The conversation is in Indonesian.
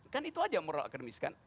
kan itu aja moral akademis kan